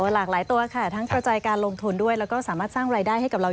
หลากหลายตัวค่ะทั้งกระจายการลงทุนด้วยแล้วก็สามารถสร้างรายได้ให้กับเรา